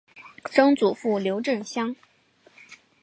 曾祖父刘震乡。